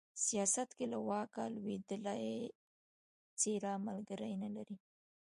سياست کې له واکه لوېدلې څېره ملگري نه لري